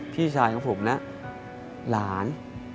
พี่ชายของผมและหลาน